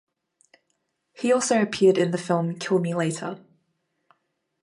He also appeared in the film "Kill Me Later".